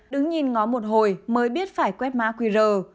đứng nhìn ngó một hồi mới biết phải quét mã qr